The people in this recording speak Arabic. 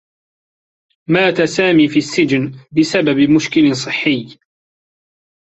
مات سامي في السّجن بسبب مشكل صحّي.